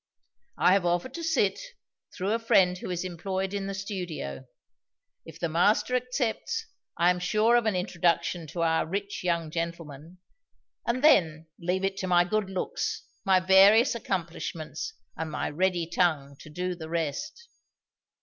I have offered to sit, through a friend who is employed in the studio. If the master accepts, I am sure of an introduction to our rich young gentleman; and then leave it to my good looks, my various accomplishments, and my ready tongue, to do the rest."